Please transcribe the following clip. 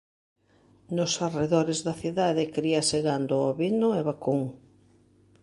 Nos arredores da cidade críase gando ovino e vacún.